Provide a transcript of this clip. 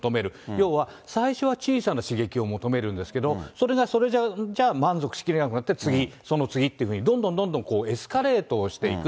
要は最初は小さな刺激を求めるんですけれども、それがそれじゃ満足しきれなくなって次、その次っていうふうにどんどんどんどんエスカレートしていく。